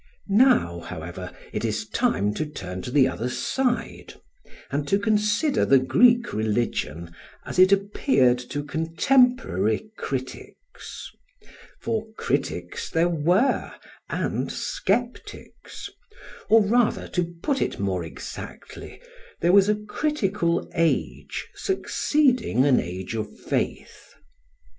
Now, however, it is time to turn to the other side, and to consider the Greek religion as it appeared to contemporary critics. For critics there were, and sceptics, or rather, to put it more exactly, there was a critical age succeeding an age of faith.